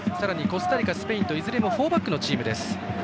コスタリカスペインといずれもフォーバックのチームです。